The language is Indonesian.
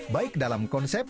baik dalam konsep